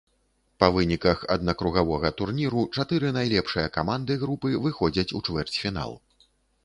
Па выніках аднакругавога турніру чатыры найлепшыя каманды групы выходзяць у чвэрцьфінал.